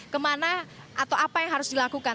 kemana atau apa yang harus dilakukan